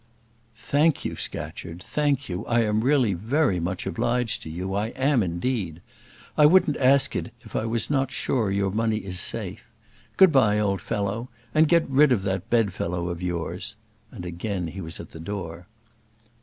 "Thank you, Scatcherd, thank you, I am really very much obliged to you, I am indeed. I wouldn't ask it if I was not sure your money is safe. Good bye, old fellow, and get rid of that bedfellow of yours," and again he was at the door.